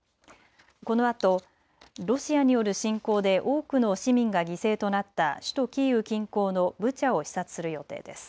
このあとロシアによる侵攻で多くの市民が犠牲となった首都キーウ近郊のブチャを視察する予定です。